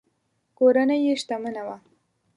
کورنۍ یې شتمنه وه.